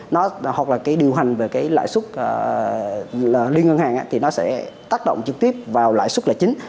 nó hoặc là cái điều hành về cái lãi suất liên ngân hàng thì nó sẽ tác động trực tiếp vào lãi xuất là chính